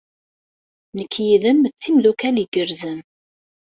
Nekk yid-m d timeddukal igerrzen.